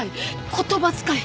言葉遣い！